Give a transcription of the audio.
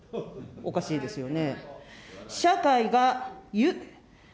おかしいですよね。